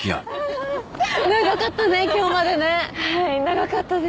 長かったね